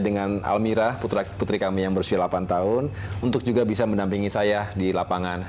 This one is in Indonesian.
dengan almira putri kami yang berusia delapan tahun untuk juga bisa mendampingi saya di lapangan